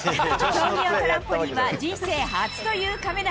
競技用トランポリンは人生初という亀梨。